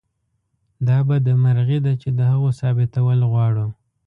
دا بدمرغي ده چې د هغو ثابتول غواړو.